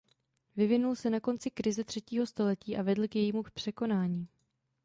Vyvinul se na konci krize třetího století a vedl k jejímu překonání.